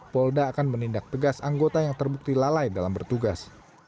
polda akan menindak tegas anggota yang terbukti lalai dalam bertugas